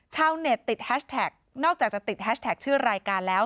ชาวเน็ตติดแฮชแท็กนอกจากจะติดแฮชแท็กชื่อรายการแล้ว